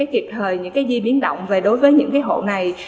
kịp thời những di biến động về đối với những hộ này